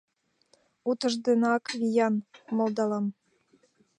— Утыжденак виян, — малдалам.